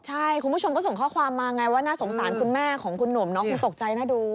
ใช่คุณผู้ชมก็ส่งข้อความมาไงว่าน่าสงสารคุณแม่ของคุณหนุ่มเนาะคงตกใจน่าดู